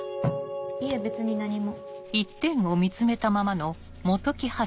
いえ別に何も。